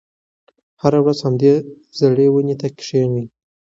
هغه هره ورځ همدې زړې ونې ته کښېني.